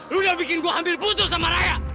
lo udah bikin gue hampir putus sama raya